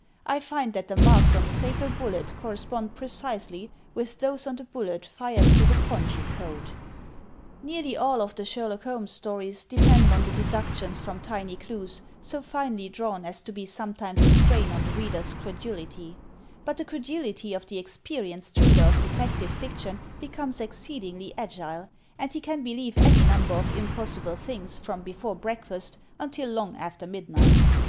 I find that the marks on the fatal bullet correspond precisely with those on the bullet fired through the pongee coat." Nearly all of the Sherlock Holmes stories depend on the deductions from tiny clues, so finely drawn as to be sometimes a strain on the reader's credulity; but the credulity of the experienced reader of detective fiction becomes exceedingly agile; and he can believe any number of impossible things from before breakfast until long after midnight.